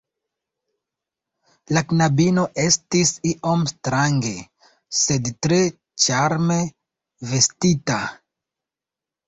La knabino estis iom strange, sed tre ĉarme vestita.